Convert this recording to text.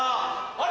あれ？